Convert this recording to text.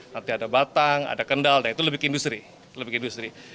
nanti ada batang ada kendal dan itu lebih ke industri